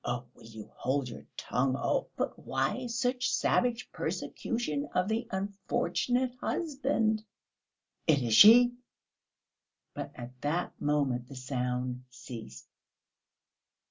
"Oh, will you hold your tongue? Oh!..." "But why such savage persecution of the unfortunate husband?..." "It is she!" But at that moment the sound ceased.